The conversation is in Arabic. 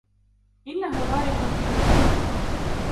إنه غارق في الديون.